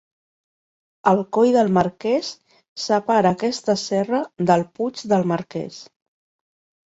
El Coll del Marqués separa aquesta serra del puig del Marqués.